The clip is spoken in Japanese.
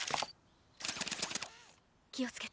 きをつけて。